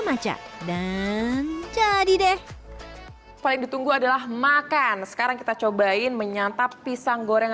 maca dan jadi deh paling ditunggu adalah makan sekarang kita cobain menyantap pisang goreng